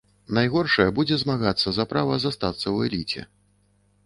Найгоршая будзе змагацца за права застацца ў эліце.